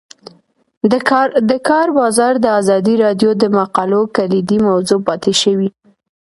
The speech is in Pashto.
د کار بازار د ازادي راډیو د مقالو کلیدي موضوع پاتې شوی.